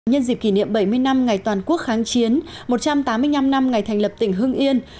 nhân dịp kỷ niệm bảy mươi năm ngày toàn quốc kháng chiến một trăm tám mươi năm năm ngày thành lập tỉnh hưng yên